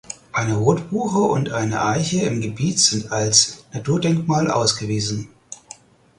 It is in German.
Eine Rotbuche und eine Eiche im Gebiet sind als Naturdenkmale ausgewiesen.